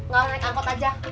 nggak mau naik angkot aja